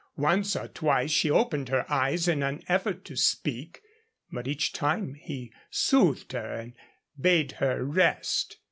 Once or twice she opened her eyes in an effort to speak, but each time he soothed her and bade her rest.